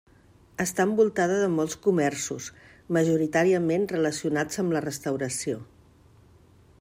Està envoltada de molts comerços, majoritàriament relacionats amb la restauració.